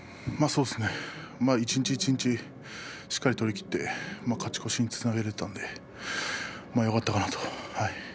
一日一日しっかり取りきって勝ち越しにつなげられたのでよかったかなと思います。